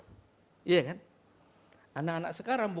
anak anak sekarang bukan hanya anak anak sekarang ini